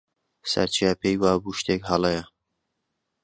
سەرچیا پێی وا بوو شتێک هەڵەیە.